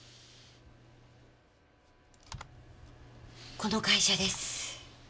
この会社です。